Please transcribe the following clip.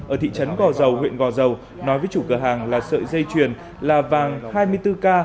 ở thị trấn gò dầu huyện gò dầu nói với chủ cửa hàng là sợi dây chuyền là vàng hai mươi bốn k